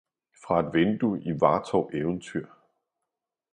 Fra et vindue i Vartov Eventyr